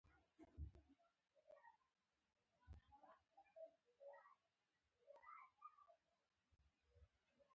اوبه د بدن تودوخه برابروي